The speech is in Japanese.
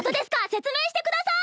説明してください！